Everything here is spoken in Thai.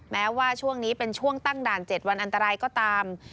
แม้ว่าช่วงนี้เป็นช่วงตั้งด่าน๗วันอันตรายก็ตาม